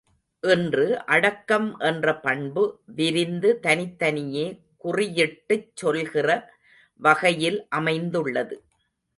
இன்று அடக்கம் என்ற பண்பு, விரிந்து தனித்தனியே குறியிட்டுச் சொல்கிற வகையில் அமைந்துள்ளது.